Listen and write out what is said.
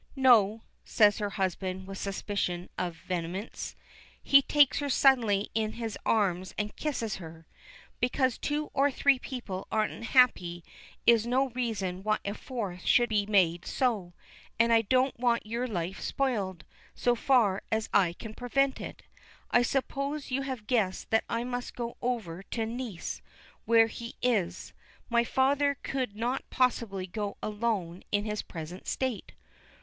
"No," says her husband with a suspicion of vehemence. He takes her suddenly in his arms and kisses her. "Because two or three people are unhappy is no reason why a fourth should be made so, and I don't want your life spoiled, so far as I can prevent it. I suppose you have guessed that I must go over to Nice where he is my father could not possibly go alone in his present state."